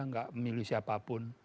nggak memilih siapapun